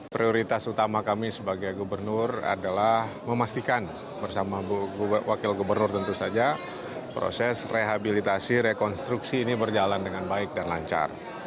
prioritas utama kami sebagai gubernur adalah memastikan bersama wakil gubernur tentu saja proses rehabilitasi rekonstruksi ini berjalan dengan baik dan lancar